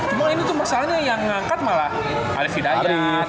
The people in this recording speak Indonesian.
cuma ini tuh masalahnya yang ngangkat malah alif hidayat